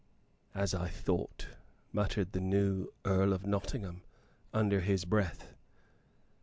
"As I thought," muttered the new Earl of Nottingham, under his breath.